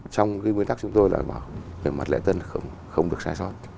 trong quyên tắc chúng tôi là về mặt lễ dân không được sai sót